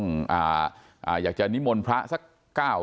ฝ่ายกรเหตุ๗๖ฝ่ายมรณภาพกันแล้ว